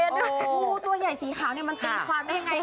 งูตัวใหญ่สีขาวเนี่ยมันเป็นความยังไง